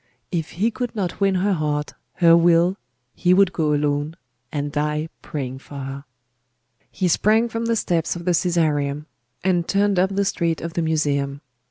If he could not win her heart, her will, he would go alone, and die praying for her. He sprang from the steps of the Caesareum, and turned up the street of the Museum.